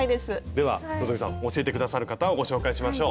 では希さん教えて下さる方をご紹介しましょう。